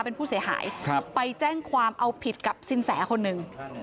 เป็นผู้เสียหายไปแจ้งความเอาผิดกับสินแสคนหนึ่ง